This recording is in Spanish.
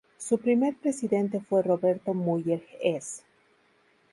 Su primer presidente fue Roberto Müller Hess.